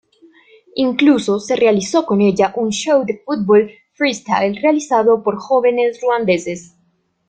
Incluso se realizó con ella un show de fútbol freestyle realizado por jóvenes ruandeses.